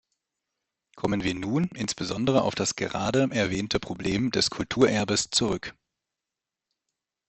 Kommen wir nun insbesondere auf das gerade erwähnte Problem des Kulturerbes zurück.